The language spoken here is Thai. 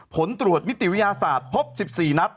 ผลตรวจนิติวิทยาศาสตร์พบ๑๔นัด